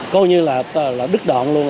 cô như là đứt đoạn luôn